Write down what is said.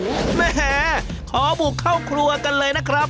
แง่ขอบุกโครวแล้วเลยนะครับ